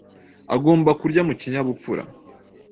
agomba kurya mu kinyabufura